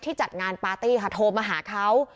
ที่จัดงานพาร์ตี้วางบ้านโทรมาหาเขา